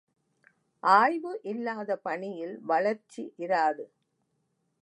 ஆய்வு இல்லாத பணியில் வளர்ச்சி இராது.